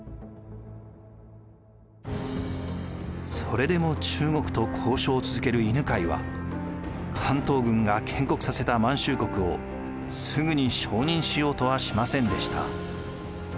それでも中国と交渉を続ける犬養は関東軍が建国させた満州国をすぐに承認しようとはしませんでした。